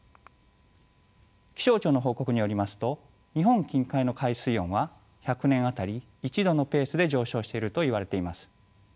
気象庁の報告によりますと日本近海の海水温は１００年当たり１℃のペースで上昇しているといわれています。